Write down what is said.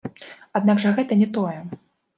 Аднак жа гэта не тое.